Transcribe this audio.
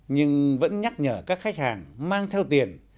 nhưng vẫn nhắc nhở các khách hàng mang theo tiền